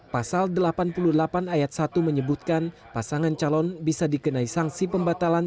pasal delapan puluh delapan ayat satu menyebutkan pasangan calon bisa dikenai sanksi pembatalan